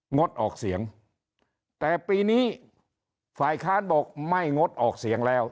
งดออกเสียงแต่ปีนี้ฝ่ายค้านบอกไม่งดออกเสียงแล้ว